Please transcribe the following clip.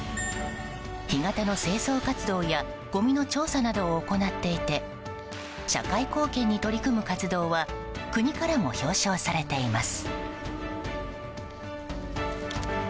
干潟の清掃活動やごみの調査などを行っていて社会貢献に取り組む活動は国からも表彰されています。